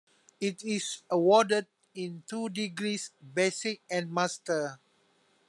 It is awarded in two degrees: Basic and Master.